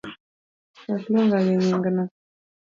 Wek luonga gi nyingno